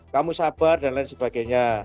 kamu sabar dan lain sebagainya